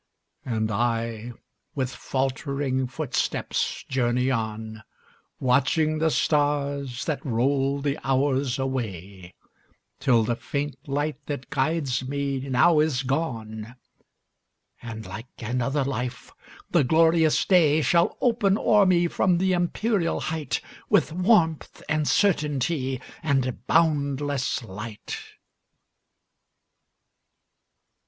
And I, with faltering footsteps, journey on, Watching the stars that roll the hours away, Till the faint light that guides me now is gone, And, like another life, the glorious day Shall open o'er me from the empyreal height, With warmth, and certainty, and boundless light.